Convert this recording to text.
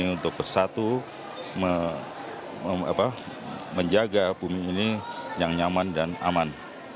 untuk bersatu menjaga bumi ini yang nyaman dan aman